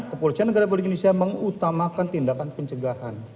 kepolisian negara polri indonesia mengutamakan tindakan penjegahan